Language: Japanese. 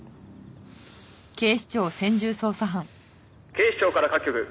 「警視庁から各局。